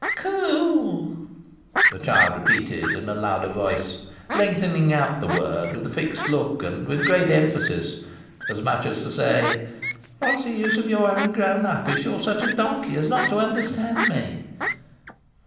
"Co o ol," the child repeated in a louder voice, lengthening out the word with a fixed look and great emphasis, as much as to say: "What's the use of your having grown up, if you're such a donkey as not to understand me?"